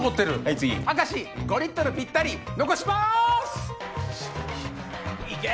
次明石５リットルぴったり残しますいけ！